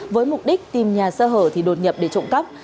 với mục đích tìm nhà sơ hở thì đột nhập để trộm cắp